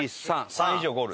「３」以上でゴール。